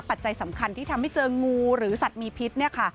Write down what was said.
ปัจจัยสำคัญที่ทำให้เจองูหรือสัตว์มีพิษเนี่ยค่ะ